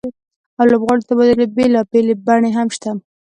او لوبغاړو د تبادلې بېلابېلې بڼې هم شته